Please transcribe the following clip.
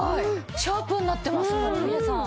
シャープになってますもんみれさん。